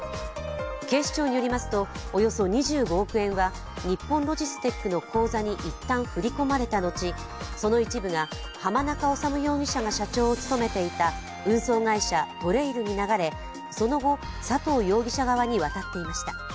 警視庁によりますと、およそ２５億円は日本ロジステックの口座に一旦振り込まれた後、その一部が浜中治容疑者が社長を務めていた運送会社ＴＲＡＩＬに流れ、その後佐藤容疑者側に渡っていました。